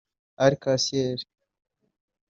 Arc En Ciel